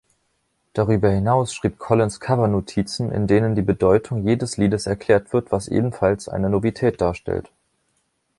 Darüber hinaus schrieb Collins Cover-Notizen, in denen die Bedeutung jedes Liedes erklärt wird, was ebenfalls eine Novität darstellt.